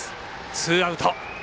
ツーアウト。